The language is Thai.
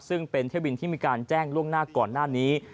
ซึ่งเป็นเที่ยวบินที่มีการแจ้งล่วงหน้าก่อนหน้านี้